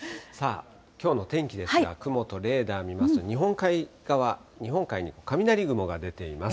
きょうの天気ですが、雲とレーダー見ますと、日本海側、日本海に雷雲が出ています。